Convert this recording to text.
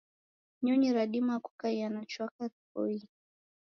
Nyonyi radima kukaia na chwaka ripoie.